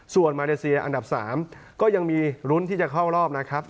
ส่วนมาเลเซียอันดับ๓ก็ยังมีลุ้นที่จะเข้ารอบนะครับ